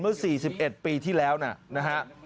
เมื่อ๔๑ปีที่แล้วนะฮะ